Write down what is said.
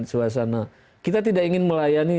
suasana kita tidak ingin melayani